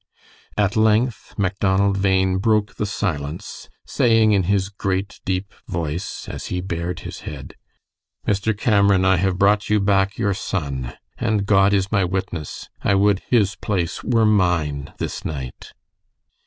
At length Macdonald Bhain broke the silence, saying in his great deep voice, as he bared his head: "Mr. Cameron, I have brought you back your son, and God is my witness, I would his place were mine this night."